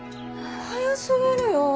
早すぎるよぉ。